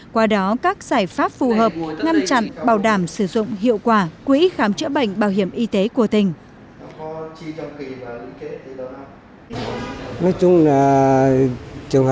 qua đó các giải pháp phù hợp ngăn chặn bảo đảm sử dụng hiệu quả quỹ khám chữa bệnh bảo hiểm y tế của tỉnh